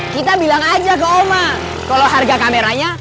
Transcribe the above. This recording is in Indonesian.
kita bilang aja kau mahal kalau harga kameranya